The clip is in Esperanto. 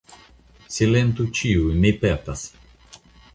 Silentu ĉiuj, mi petas!